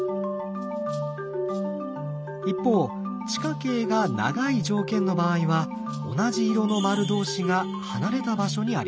一方地下茎が長い条件の場合は同じ色の丸同士が離れた場所にあります。